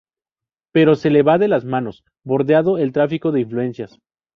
Pero se le va de las manos, bordeando el tráfico de influencias.